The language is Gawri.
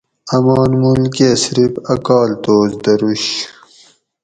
امان مول کہ صرف ا کالتوس دروش